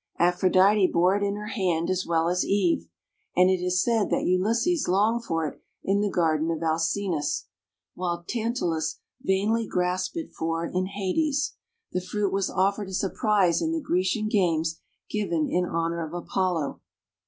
Aphrodite bore it in her hand as well as Eve, and it is said that Ulysses longed for it in the garden of Alcinous, while Tantalus vainly grasped for it in hades. The fruit was offered as a prize in the Grecian games given in honor of Apollo.